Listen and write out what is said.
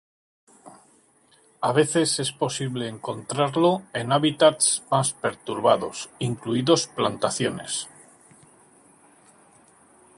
A veces es posible encontrarlo en hábitats más perturbados, incluidos plantaciones.